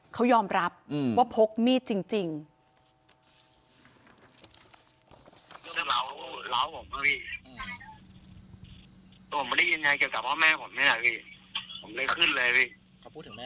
เขายอมรับว่าพกมีดจริง